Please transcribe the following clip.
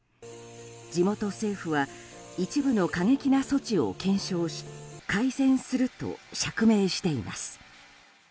地元政府は一部の過激な措置を検証し改善すると釈明しています。